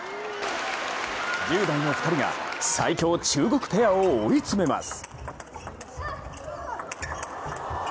１０代の２人が最強中国ペアを追い詰めます。